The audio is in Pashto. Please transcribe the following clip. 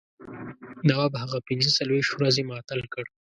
نواب هغه پنځه څلوېښت ورځې معطل کړ.